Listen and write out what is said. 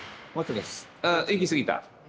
ああ行き過ぎた。